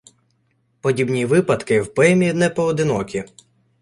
Подібні випадки в поемі непоодинокі.